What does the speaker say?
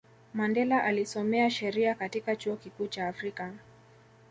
mandela alisomea sheria katika chuo kikuu cha afrika